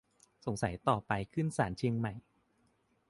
สงสัยต่อไปขึ้นศาลเชียงใหม่